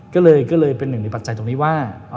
ก็เลยเป็นหนึ่งในปัจจัยตรงนี้ว่า